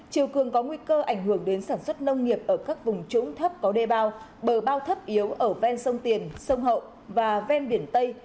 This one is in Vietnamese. chiều cường có nguy cơ ảnh hưởng đến sản xuất nông nghiệp ở các vùng trũng thấp có đê bao bờ bao thấp yếu ở ven sông tiền sông hậu và ven biển tây